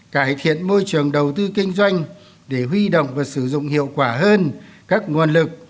cải thiện môi trường đầu tư kinh doanh để huy động và sử dụng hiệu quả hơn các nguồn lực